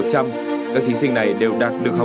các thí sinh này đều đạt được học tủ